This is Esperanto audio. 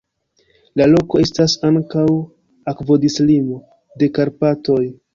La loko estas ankaŭ akvodislimo de Karpatoj.